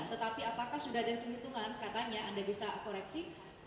tetapi apakah sudah ada perhitungan katanya anda bisa koreksi